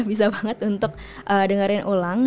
bisa banget untuk dengerin ulang